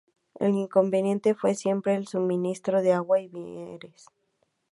El inconveniente fue siempre el suministro de agua y víveres.